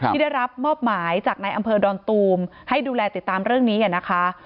ที่ได้รับมอบหมายจากในอำเภอดอนตูมให้ดูแลติดตามเรื่องนี้นะคะ